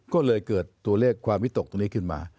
ก็เลยเกิดตัวเลขความวิตกตรงนี้ขึ้นมา